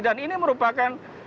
dan ini merupakan